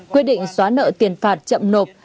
quyết định xóa nợ tiền phạt chậm nộp